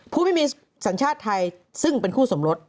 ผู้ไม่มีสัญชาติไทยซึ่งเป็นคู่สมรส